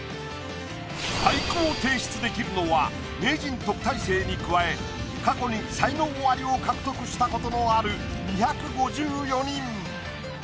俳句を提出できるのは名人・特待生に加え過去に才能アリを獲得したことのある２５４人。